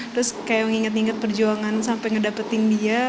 terus kayak inget inget perjuangan sampai ngedapetin dia